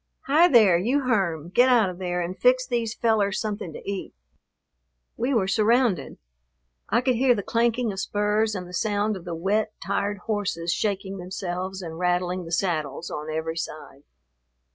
Hi, there, you Herm, get out of there and fix these fellers something to eat." We were surrounded. I could hear the clanking of spurs and the sound of the wet, tired horses shaking themselves and rattling the saddles on every side.